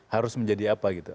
harus menjadi apa gitu